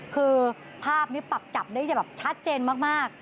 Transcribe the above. คือภาพนี้ปรับจับได้จะแบบชัดเจนมาก